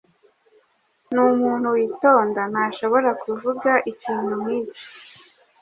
Ni umuntu witonda. Ntashobora kuvuga ikintu nk'icyo.